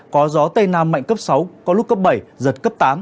có gió tây nam mạnh cấp sáu có lúc cấp bảy giật cấp tám